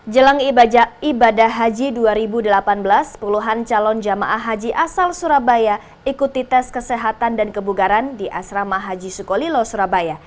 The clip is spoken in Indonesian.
jelang ibadah haji dua ribu delapan belas puluhan calon jemaah haji asal surabaya ikuti tes kesehatan dan kebugaran di asrama haji sukolilo surabaya